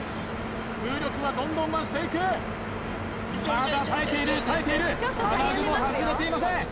風力はどんどん増していくまだ耐えている耐えている金具も外れていません